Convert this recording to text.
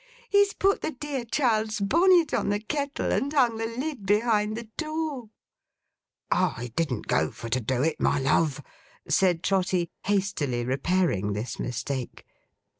He's put the dear child's bonnet on the kettle, and hung the lid behind the door!' 'I didn't go for to do it, my love,' said Trotty, hastily repairing this mistake.